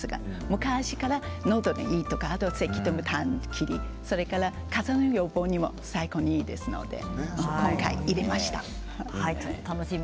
昔から、のどにいいとかせきとかたん切り、それからかぜの予防にも最高にいいので今回、入れました。